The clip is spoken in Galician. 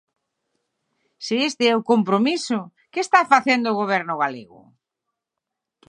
Se este é o compromiso, ¿que está facendo o Goberno galego?